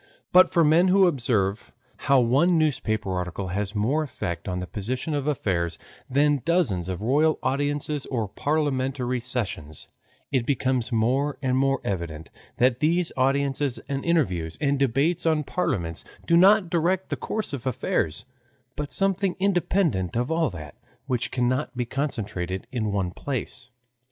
But for men who observe how one newspaper article has more effect on the position of affairs than dozens of royal audiences or parliamentary sessions, it becomes more and more evident that these audiences and interviews and debates in parliaments do not direct the course of affairs, but something independent of all that, which cannot be concentrated in one place.